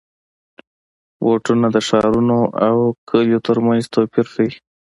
بوټونه د ښارونو او کلیو ترمنځ توپیر ښيي.